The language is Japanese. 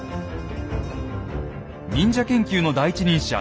忍者研究の第一人者